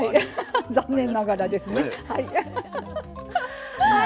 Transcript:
残念ながらですねはい。